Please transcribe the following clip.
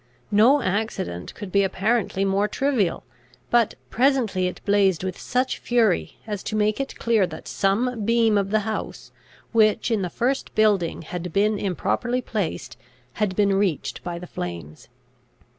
No accident could be apparently more trivial; but presently it blazed with such fury, as to make it clear that some beam of the house, which in the first building had been improperly placed, had been reached by the flames.